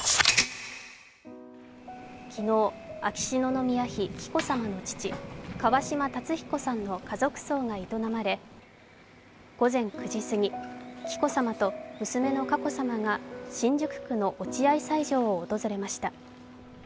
昨日、秋篠宮妃・紀子さまの父、川嶋辰彦さんの家族葬が営まれ午前９時すぎ、紀子さまと娘の佳子さまが新宿区の落合斎場を訪れました。